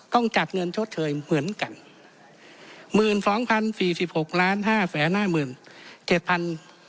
ต้องจัดเงินชดเชยเหมือนกัน